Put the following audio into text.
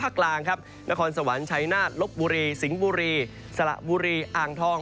กลางครับนครสวรรค์ชัยนาฏลบบุรีสิงห์บุรีสละบุรีอ่างทอง